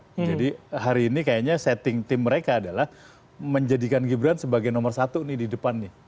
jadi hari ini kayaknya setting tim mereka adalah menjadikan gibran sebagai nomor satu nih di depan nih